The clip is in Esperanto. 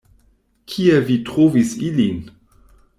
Kie vi trovis ilin?